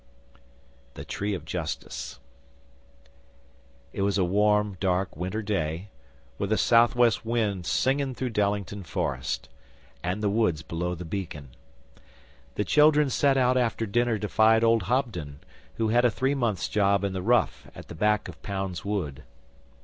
The Tree of Justice It was a warm, dark winter day with the Sou' West wind singing through Dallington Forest, and the woods below the Beacon. The children set out after dinner to find old Hobden, who had a three months' job in the Rough at the back of Pound's Wood.